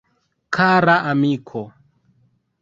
Kara amiko.